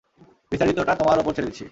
বিস্তারিতটা তোমার উপর ছেড়ে দিচ্ছি।